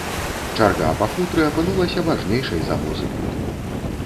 Чарга па футры апынулася важнейшай за музыку.